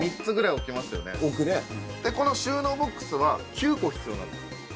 置くねこの収納ボックスは９個必要なんです